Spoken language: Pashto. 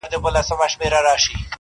انسان بايد ځان وپېژني تل